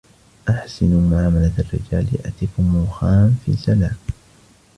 أحسنوا معاملة الرجال ، يأتِكم الخام في سلام.